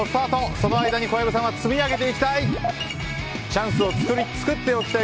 その間に小籔さんは積み上げていきたい！